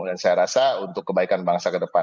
dan saya rasa untuk kebaikan bangsa kedepan